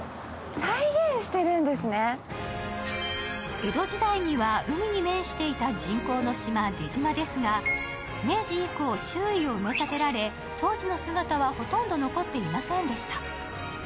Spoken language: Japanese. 江戸時代には、海に面していた人工の島、出島ですが、明治以降周囲を埋め立てられ、当時の姿はほとんど残っていませんでした。